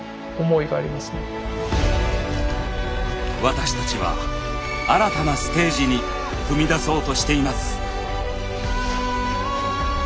私たちは新たなステージに踏み出そうとしています。